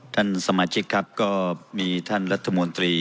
ท่านสมาชิกครับก็มีท่านรัฐมนตรี